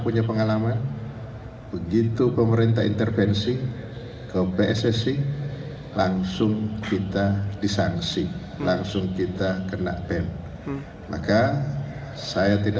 menpora mengaku pemerintah tidak ingin indonesia